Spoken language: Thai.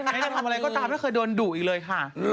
จะทำอะไรก็ตามไม่เคยโดนดุอีกเลยค่ะ